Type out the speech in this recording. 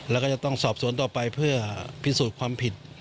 แล้วก็จะต้องสอบสวนต่อไปเพื่อพิสูจน์ความผิด